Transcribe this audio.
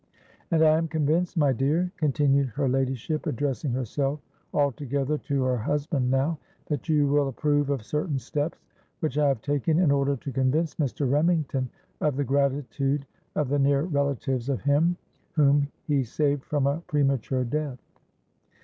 —'And I am convinced, my dear,' continued her ladyship, addressing herself altogether to her husband now, 'that you will approve of certain steps which I have taken in order to convince Mr. Remington of the gratitude of the near relatives of him whom he saved from a premature death.